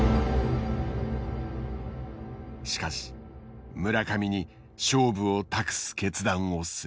しかし村上に勝負を託す決断をする。